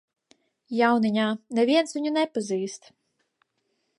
Jauniņā, neviens viņu nepazīst.